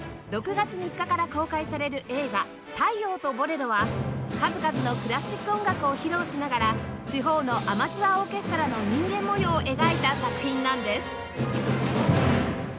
６月３日から公開される映画『太陽とボレロ』は数々のクラシック音楽を披露しながら地方のアマチュアオーケストラの人間模様を描いた作品なんです